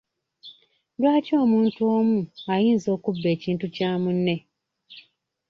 Lwaki omuntu omu ayinza okubba ekintu kya munne?